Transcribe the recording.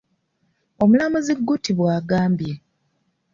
Omulamuzi Gutti bw’agambye.